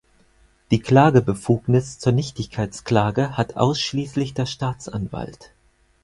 Die Klagebefugnis zur Nichtigkeitsklage hat ausschließlich der Staatsanwalt.